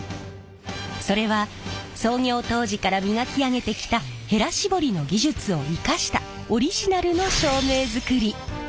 それは創業当時から磨き上げてきたへら絞りの技術を生かしたオリジナルの照明づくり。